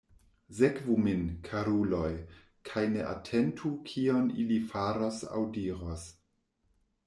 Sekvu min, karuloj, kaj ne atentu kion ili faros aŭ diros.